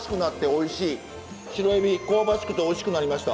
シロエビ香ばしくておいしくなりました。